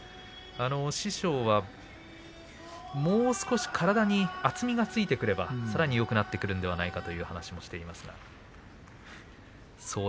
師匠はもう少し体に厚みがついてくればさらによくなってくるではないかという話もしています。